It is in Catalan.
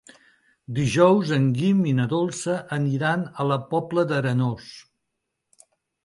Dijous en Guim i na Dolça aniran a la Pobla d'Arenós.